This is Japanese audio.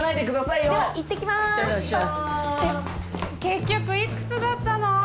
結局いくつだったの？